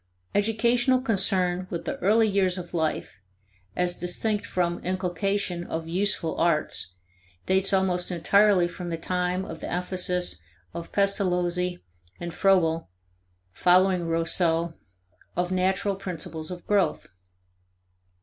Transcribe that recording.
Educational concern with the early years of life as distinct from inculcation of useful arts dates almost entirely from the time of the emphasis by Pestalozzi and Froebel, following Rousseau, of natural principles of growth.